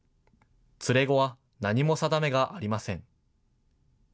連れ子は何も定めがありません。